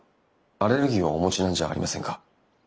アレルギーをお持ちなんじゃありませんか？